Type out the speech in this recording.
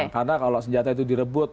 karena kalau senjata itu direbut